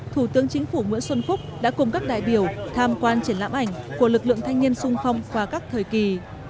thủ tướng chính phủ nguyễn xuân phúc đã cùng các đại biểu tham quan triển lãm ảnh của lực lượng thanh niên sung phong qua các thời kỳ